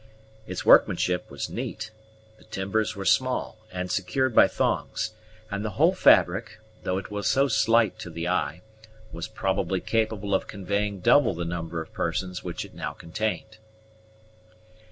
Its workmanship was neat; the timbers were small, and secured by thongs; and the whole fabric, though it was so slight to the eye, was probably capable of conveying double the number of persons which it now contained.